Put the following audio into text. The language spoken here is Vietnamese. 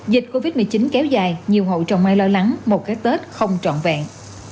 dịch covid một mươi chín kéo dài nhiều hậu trọng may lo lắng một cái tết không trọn vẹn